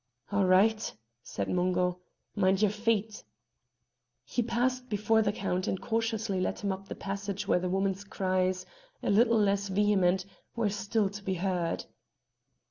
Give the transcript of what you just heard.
"A' richt," said Mungo, "mind yer feet!" He passed before the Count and cautiously led him up to the passage where the woman's cries, a little less vehement, were still to be heard.